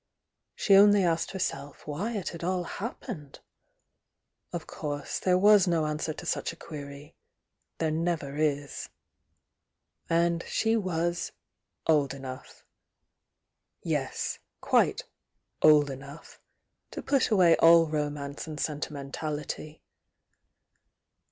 She only asked herself why it had all happened? Of course there was no answer to such a query,— there never is. And she was "old enough"— yes, quite "old enough" to put away all romance and sentimentality.